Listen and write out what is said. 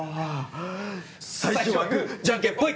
最初はグじゃんけんポイ！